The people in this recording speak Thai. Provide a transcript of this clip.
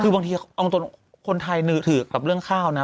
คือบางทีเอาตรงคนไทยถือกับเรื่องข้าวนะ